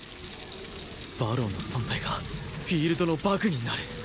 馬狼の存在がフィールドのバグになる